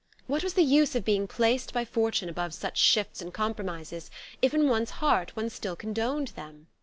What was the use of being placed by fortune above such shifts and compromises, if in one's heart one still condoned them?